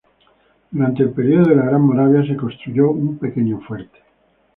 Durante el periodo de la Gran Moravia se construyó un pequeño fuerte.